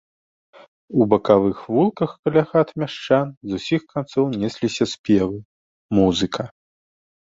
У бакавых вулках каля хат мяшчан з усіх канцоў несліся спевы, музыка.